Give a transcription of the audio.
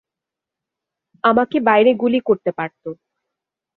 আমাকে বাইরে গুলি করতে পারত।